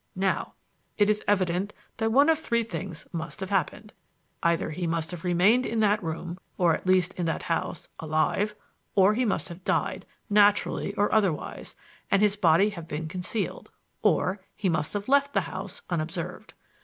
"Now, it is evident that one of three things must have happened. Either he must have remained in that room, or at least in that house, alive; or he must have died, naturally or otherwise, and his body have been concealed; or he must have left the house unobserved.